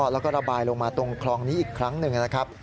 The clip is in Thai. แล้วก็ระบายลงมาตรงคลองนี้อีกครั้งหนึ่งนะครับ